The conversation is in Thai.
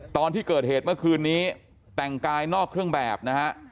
ตอนที่เกิดเหตุเมื่อคืนนี้แต่งกายนอกเครื่องแบบนะฮะ